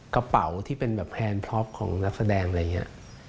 กระเป๋าที่เป็นแบบแพลนพร็อปของนักแสดงอะไรอย่างนี้